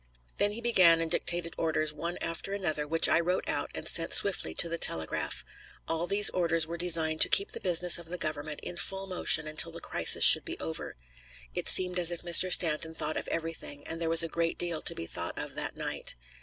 Then he began and dictated orders, one after another, which I wrote out and sent swiftly to the telegraph. All these orders were designed to keep the business of the Government in full motion until the crisis should be over. It seemed as if Mr. Stanton thought of everything, and there was a great deal to be thought of that night.